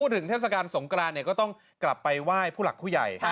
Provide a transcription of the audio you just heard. ถึงเทศกาลสงกรานก็ต้องกลับไปไหว้ผู้หลักผู้ใหญ่